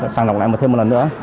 sẵn lọc lại một thêm một lần nữa